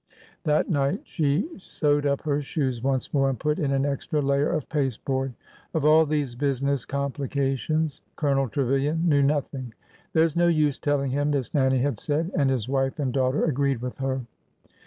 " That night she sewed up her shoes once more and put in an extra layer of pasteboard. Of all these business complications Colonel Trevilian knew nothing. " There 's no use telling him," Miss Nannie had said ; and his wife and daughter agreed with her.